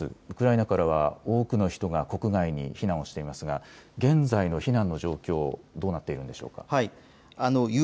ウクライナからは多くの人が国外へ避難をしていますが現在の避難の状況、どうなっているんでしょうか。